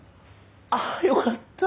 あよかった。